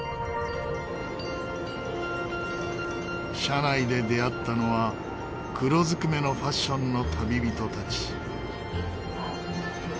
車内で出会ったのは黒ずくめのファッションの旅人たち。